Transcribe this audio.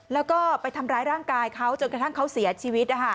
แล้วก็ไปทำร้ายร่างกายเขาจนกระทั่งเขาเสียชีวิต